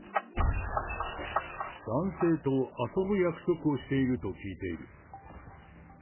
男性と遊ぶ約束をしていると聞いている。